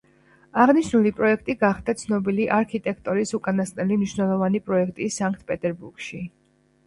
აღნიშნული პროექტი გახდა ცნობილი არქიტექტორის უკანასკნელი მნიშვნელოვანი პროექტი სანქტ-პეტერბურგში.